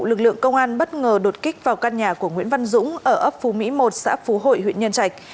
lực lượng công an bất ngờ đột kích vào căn nhà của nguyễn văn dũng ở ấp phú mỹ một xã phú hội huyện nhân trạch